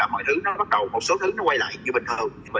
một số thứ quay lại như bình thường